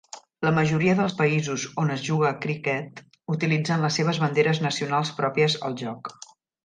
La majoria dels països on es juga a criquet utilitzen les seves banderes nacionals pròpies al joc.